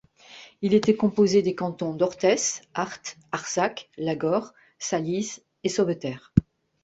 Il était composé des cantons d'Orthès, Arthes, Arzacq, Lagor, Salies et Sauveterre.